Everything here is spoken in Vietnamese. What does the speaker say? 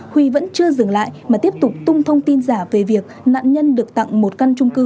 huy vẫn chưa dừng lại mà tiếp tục tung thông tin giả về việc nạn nhân được tặng một căn trung cư